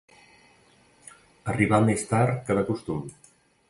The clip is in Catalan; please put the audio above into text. Arribà més tard que de costum.